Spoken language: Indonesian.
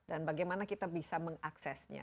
apakah kita bisa mengaksesnya